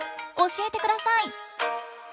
教えてください！